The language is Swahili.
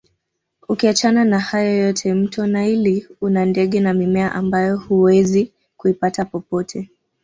Ukiachana na hayo yote mto naili una ndege na mimea ambayo huwezi kuipata popote